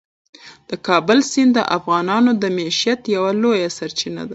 د کابل سیند د افغانانو د معیشت یوه لویه سرچینه ده.